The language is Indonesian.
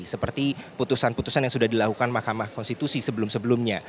seperti putusan putusan yang sudah dilakukan mahkamah konstitusi sebelum sebelumnya